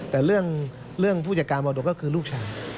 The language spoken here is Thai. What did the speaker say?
แต่เรื่องผู้จัดการมรดกก็คือลูกชาย